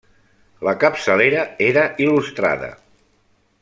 La capçalera era il·lustrada.